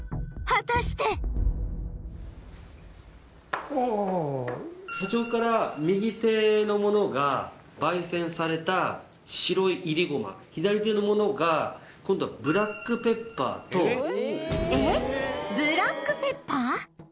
果たして社長から右手のものが左手のものが今度はブラックペッパーとえっブラックペッパー！？